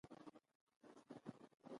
خوړل د مالګې ارزښت یادوي